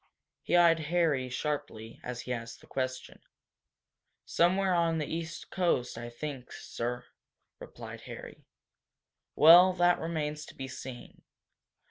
He eyed Harry sharply as he asked the question. "Somewhere on the East coast, I think, sir," replied Harry. "Well, that remains to be seen.